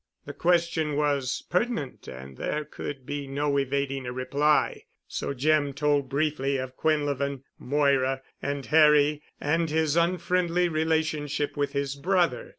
The question was pertinent and there could be no evading a reply. So Jim told briefly of Quinlevin, Moira and Harry and his unfriendly relationship with his brother.